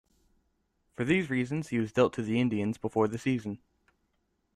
For these reasons, he was dealt to the Indians before the season.